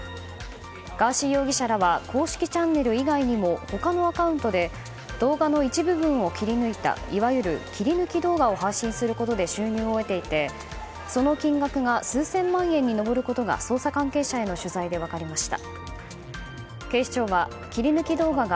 ガーシー容疑者らは公式チャンネル以外にも他のアカウントで動画の一部分を切り抜いたいわゆる切り抜き動画を配信することで収入を得ていてその金額が数千万円に上ることが捜査関係者への取材で分かりました。